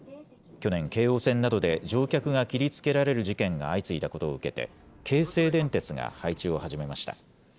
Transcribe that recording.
去年、京王線などで乗客が切りつけられる事件が相次いだことを受けて、京成電鉄が配置を始めました。